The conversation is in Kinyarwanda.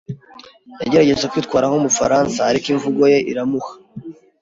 Yagerageje kwitwara nk'umufaransa, ariko imvugo ye iramuha.